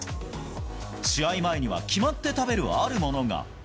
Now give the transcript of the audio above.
試合前には決まって食べるあるものが。